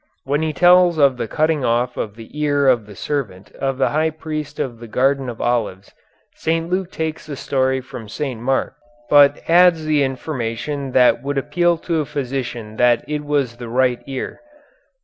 When he tells of the cutting off of the ear of the servant of the high priest in the Garden of Olives St. Luke takes the story from St. Mark, but adds the information that would appeal to a physician that it was the right ear.